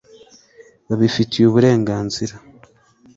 babifitiye uburenganzira